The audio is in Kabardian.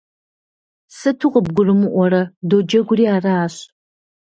Сыту къыбгурымыӀуэрэ? Доджэгури аращ!